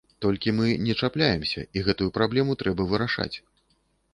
Толькі мы не чапляемся, і гэтую праблему трэба вырашаць.